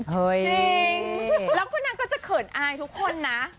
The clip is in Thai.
จริงแล้วก็นางก็จะเขินอายทุกคนนะ